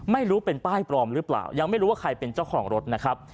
ไม่รู้เป็นป้ายปลอมหรือเปล่ายังไม่รู้ว่าใครเป็นเจ้าของรถนะครับ